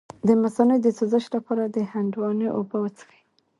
د مثانې د سوزش لپاره د هندواڼې اوبه وڅښئ